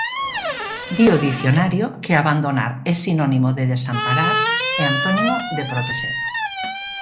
Di o dicionario que abandonar é sinónimo de desamparar e antónimo de protexer.